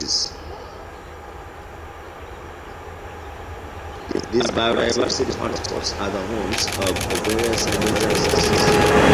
These biodiversity hotspots are the homes various endangered species.